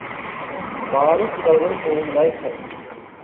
Баары Кудайдын колунда экен.